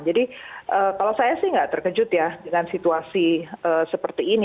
jadi kalau saya sih nggak terkejut ya dengan situasi seperti ini